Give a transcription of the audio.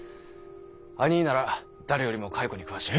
あにぃなら誰よりも蚕に詳しい。